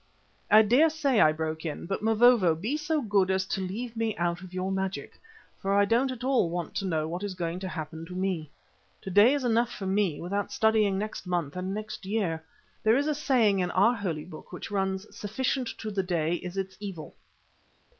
"I daresay," I broke in, "but, Mavovo, be so good as to leave me out of your magic, for I don't at all want to know what is going to happen to me. To day is enough for me without studying next month and next year. There is a saying in our holy book which runs: 'Sufficient to the day is its evil.